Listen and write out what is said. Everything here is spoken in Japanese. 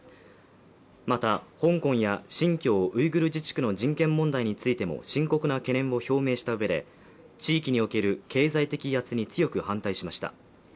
また、香港や新疆ウイグル自治区の人権問題についても深刻な懸念を表明したうえで地域における経済的威圧に強く反対しました。